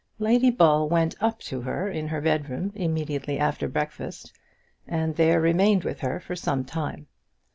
Lady Ball went up to her in her bedroom immediately after breakfast, and there remained with her for some time.